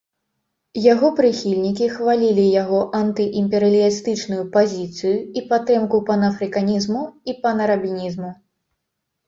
Яго прыхільнікі хвалілі яго антыімперыялістычную пазіцыю і падтрымку панафрыканізму і панарабізму.